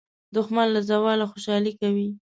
دښمن له زواله خوشالي کوي